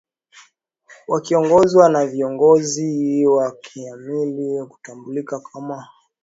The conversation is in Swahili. Wakiongozwa na kiongozi wa kimila anaetambulika kama Olotuno